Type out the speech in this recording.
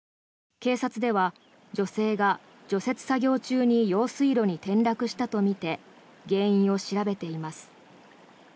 警察では女性が除雪作業中に用水路に転落したとみて原因を調べています。